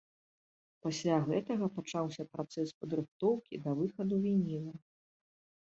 Пасля гэтага пачаўся працэс падрыхтоўкі да выхаду вініла.